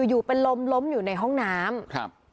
อยู่เป็นลมล้มอยู่ในห้องน้ำครับ